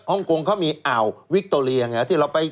ฮงกงเขามีอ่าววิคโตเรียไงที่เราไป